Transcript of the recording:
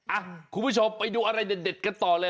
คุณผู้ชมไปดูอะไรเด็ดกันต่อเลย